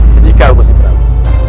sedikah gusti prabu